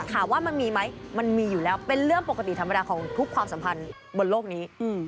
ถามว่ามันมีไหมมันมีอยู่แล้วเป็นเรื่องปกติธรรมดาของทุกความสัมพันธ์บนโลกนี้